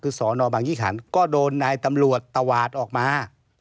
คือสอนอบังยี่ขันก็โดนนายตำรวจตวาดออกมา